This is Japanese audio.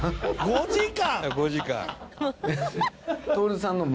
「５時間」